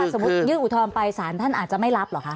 สมมุติยื่นอุทธรณ์ไปสารท่านอาจจะไม่รับเหรอคะ